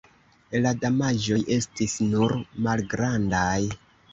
La damaĝoj estis nur malgrandaj.